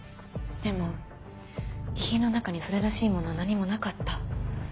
でも遺品の中にそれらしいものは何もなかった。